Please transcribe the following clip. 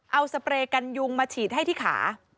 เอาสเปรย์กันยุงมาฉีดให้ที่ขา